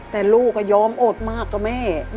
แต่ลูกก็ยอมอดมากกว่าแม่